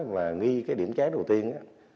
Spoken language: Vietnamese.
và nghi cái điểm trái đầu tiên